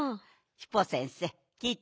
ヒポ先生きいてます？